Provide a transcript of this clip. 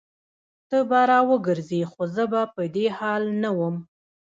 ته به راوګرځي خو زه به په دې حال نه وم